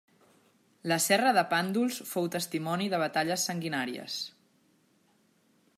La serra de Pàndols fou testimoni de batalles sanguinàries.